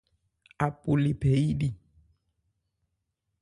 Apo le phɛ yí li.